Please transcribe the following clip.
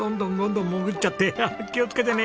あっ気をつけてね！